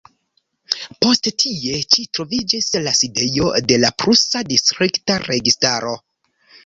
Poste tie ĉi troviĝis la sidejo de la prusa distrikta registaro.